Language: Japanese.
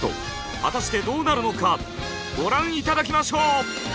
果たしてどうなるのかご覧頂きましょう！